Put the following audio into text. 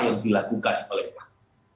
yang dilakukan oleh pak